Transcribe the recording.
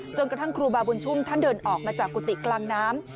กระทั่งครูบาบุญชุมท่านเดินออกมาจากกุฏิกลางน้ำ